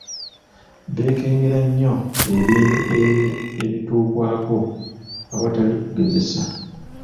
Beekengera nnyo ebintu ebituukwako awatali kugezesa.